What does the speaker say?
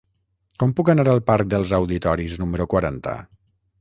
Com puc anar al parc dels Auditoris número quaranta?